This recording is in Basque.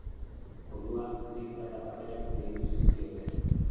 Korua, kripta eta kaperak gehitu zizkioten.